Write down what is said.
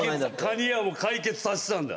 蟹江はもう解決させたんだ！